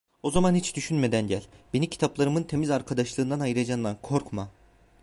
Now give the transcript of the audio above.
O zaman hiç düşünmeden gel; beni kitaplarımın temiz arkadaşlığından ayıracağından korkma…